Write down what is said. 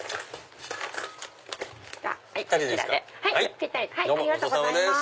ぴったりありがとうございます。